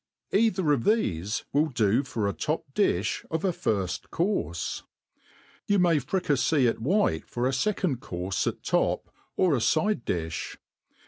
Either of thcfe will do for a top difr of a^ ^rft courfc. You may fricafey it white for a fecond cefttrfe at top, or a fide diflt.